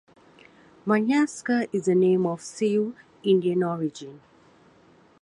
Manyaska is a name of Sioux Indian origin.